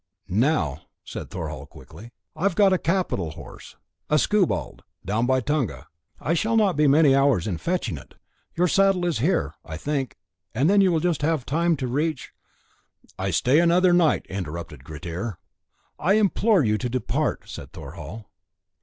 "Now," said Thorhall quickly, "I've got a capital horse a skewbald down by Tunga, I shall not be many hours in fetching it; your saddle is here, I think, and then you will just have time to reach " "I stay here another night," interrupted Grettir. "I implore you to depart," said Thorhall.